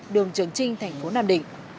đường trường trinh thành phố nam định